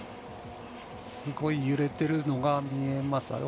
すごい揺れてるのが見えます。